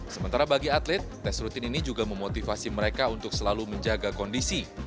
sementara bagi atlet tes rutin ini juga memotivasi mereka untuk selalu menjaga kondisi